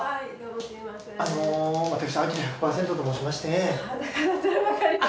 あの私アキラ１００％と申しまして。